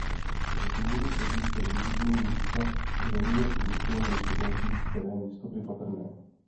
Z důvodu pozdějšího využití místa k zemědělským účelům nejsou další terénní stopy patrné.